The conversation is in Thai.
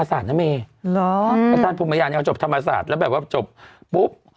ท่านผู้ใหม่งานเนี่ยเขาจบธรรมศาสตร์แล้วแบบว่าจบปุ๊บ